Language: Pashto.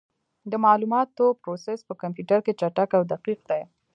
د معلوماتو پروسس په کمپیوټر کې چټک او دقیق دی.